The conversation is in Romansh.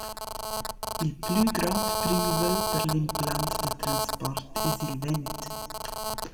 Il plü grond privel per l’implant da transport es il vent.